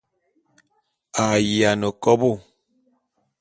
A yiane kobô.